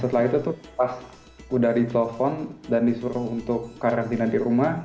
setelah itu tuh pas udah ditelepon dan disuruh untuk karantina di rumah